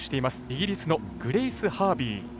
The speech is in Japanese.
イギリスのグレイス・ハービー。